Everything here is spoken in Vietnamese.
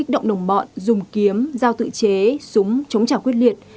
động đồng bọn dùng kiếm giao tự chế súng chống trả quyết liệt